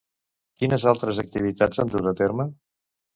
Quines altres activitats ha dut a terme?